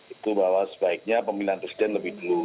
itu bahwa sebaiknya pemilihan presiden lebih dulu